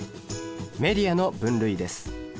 メディアの分類です。